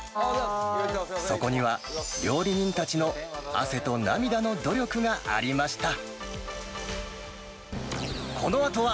そこには、料理人たちの汗と涙の努力がありました。